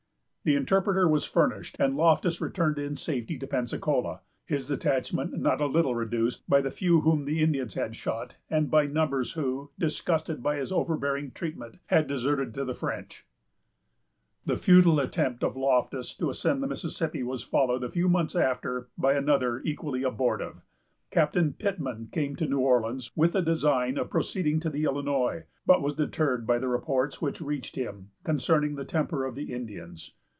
The interpreter was furnished; and Loftus returned in safety to Pensacola, his detachment not a little reduced by the few whom the Indians had shot, and by numbers who, disgusted by his overbearing treatment, had deserted to the French. The futile attempt of Loftus to ascend the Mississippi was followed, a few months after, by another equally abortive. Captain Pittman came to New Orleans with the design of proceeding to the Illinois, but was deterred by the reports which reached him concerning the temper of the Indians.